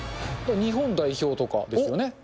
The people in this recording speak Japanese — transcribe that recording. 日本代表とかですよね。